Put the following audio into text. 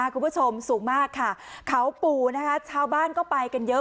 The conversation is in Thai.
คุณผู้ชมสูงมากค่ะเขาปู่นะคะชาวบ้านก็ไปกันเยอะ